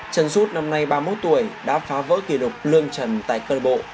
trần rút năm nay ba mươi một tuổi đã phá vỡ kỷ lục lương trần tại cơ bộ